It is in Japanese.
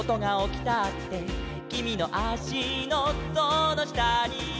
「きみのあしのそのしたには」